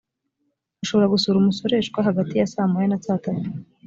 ashobora gusura umusoreshwa hagati ya saa moya na saa tatu